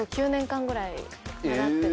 習ってて。